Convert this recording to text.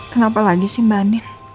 kenapa lagi sih mbak andi